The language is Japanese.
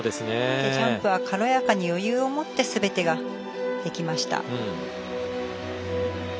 ジャンプは軽やかに余裕を持ってすべてができました。